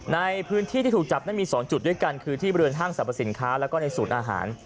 ในพื้นที่ที่ถูกจับนั้นมี๒จุดด้วยกันคือที่บริเวณห้างสรรพสินค้าแล้วก็ในศูนย์อาหาร